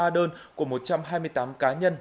một trăm ba mươi ba đơn của một trăm hai mươi tám cá nhân